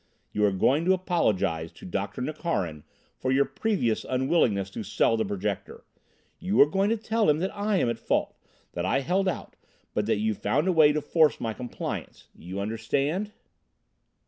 You are going to apologize to Dr. Nukharin for your previous unwillingness to sell the Projector. You are going to tell him that I am at fault that I held out but that you found a way to force my compliance. You understand?"